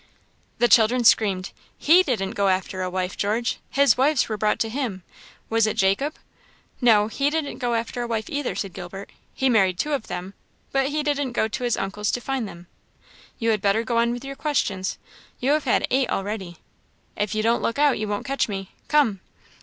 The children screamed. "He didn't go after a wife, George his wives were brought to him. Was it Jacob?" "No, he didn't go after a wife, either," said Gilbert; "he married two of them, but he didn't go to his uncle's to find them. You had better go on with your questions. You have had eight already. If you don't look out, you won't catch me. Come!"